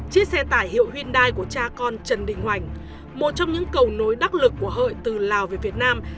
chiếc xe tải hiệu hyundai của cha con trần đình hoành một trong những cầu nối đắc lực của hợi từ lào về việt nam